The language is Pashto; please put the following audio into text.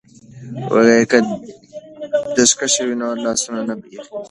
که دستکش وي نو لاسونه نه یخیږي.